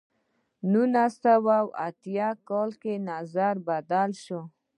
په نولس سوه اتیا کال کې نظر بدل شو.